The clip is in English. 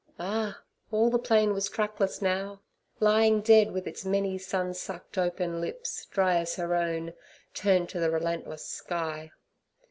Ah! all the plain was trackless now, lying dead, with its many sun sucked open lips, dry as her own, turned to the relentless sky.